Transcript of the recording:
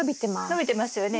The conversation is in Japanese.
伸びてますよね。